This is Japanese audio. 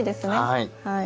はい。